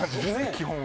基本は。